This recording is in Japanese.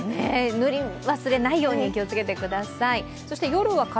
塗り忘れないように気をつけてください。